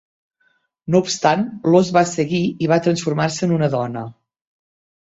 No obstant, l'ós va seguir i va transformar-se en una dona.